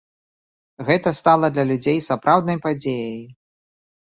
Гэта стала для людзей сапраўднай падзеяй.